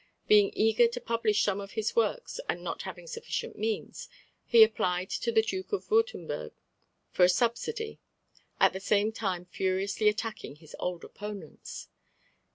Being eager to publish some of his works and not having sufficient means, he applied to the Duke of Würtemberg for a subsidy, at the same time furiously attacking his old opponents.